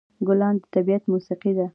ګلان د طبیعت موسيقي ده.